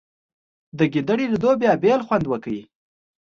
د ګېډړو لیدو بیا بېل خوند وکړ.